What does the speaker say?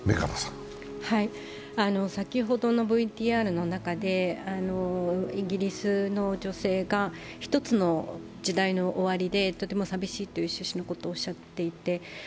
先ほどのＶＴＲの中でイギリスの女性が、１つの時代の終わりでとても寂しいという趣旨のことをおっしゃっていて。